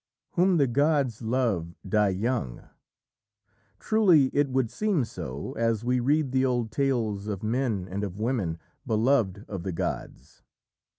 "Whom the gods love die young" truly it would seem so, as we read the old tales of men and of women beloved of the gods.